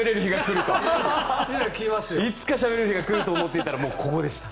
いつかしゃべれる日が来ると思っていたらもうここでした。